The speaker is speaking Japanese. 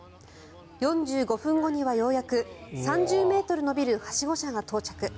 ４５分後にはようやく３０ｍ伸びるはしご車が到着。